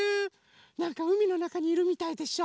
なんかうみのなかにいるみたいでしょ。